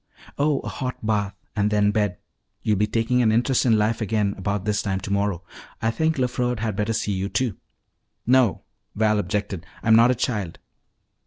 "Oh, a hot bath and then bed. You'll be taking an interest in life again about this time tomorrow. I think LeFrode had better see you too." "No," Val objected. "I'm not a child."